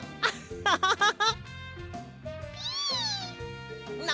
ハハハハ。